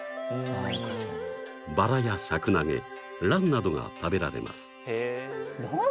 バラやシャクナゲ蘭などが食べられます。